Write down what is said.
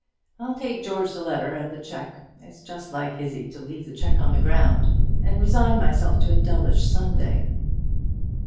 I'll take George the letter and the cheque it's just like Izzie to leave the cheque on the ground and resign myself to a dullish Sunday."